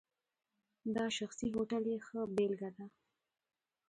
دا شخصي هوټل یې ښه بېلګه ده.